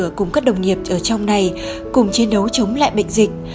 chúng tôi cùng các đồng nghiệp ở trong này cùng chiến đấu chống lại bệnh dịch